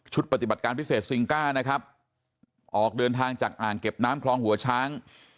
ปฏิบัติการพิเศษซิงก้านะครับออกเดินทางจากอ่างเก็บน้ำคลองหัวช้าง